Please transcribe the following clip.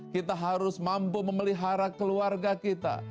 kita harus mampu memelihara keluarga kita